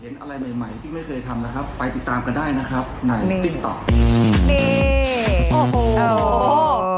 นี่โอ้โห